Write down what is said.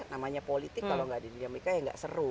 namanya politik kalau gak ada dinamika ya gak seru